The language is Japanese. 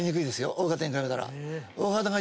Ｏ型に比べたら。